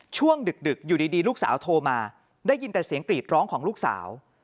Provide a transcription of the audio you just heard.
ช่วงดึกอยู่ดีลูกสาวโทรมาได้ยินแต่เสียงกรีดร้องของลูกสาว